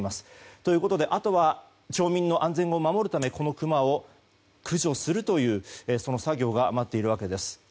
ということであとは町民の安全を守るためこのクマを駆除するという作業が待っているわけです。